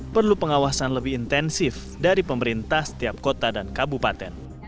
perlu pengawasan lebih intensif dari pemerintah setiap kota dan kabupaten